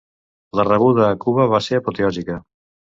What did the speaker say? La rebuda a Cuba va ser apoteòsica.